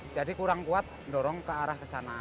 jadi kurang kuat mendorong ke arah sana